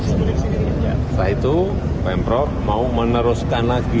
setelah itu pm prop mau meneruskan lagi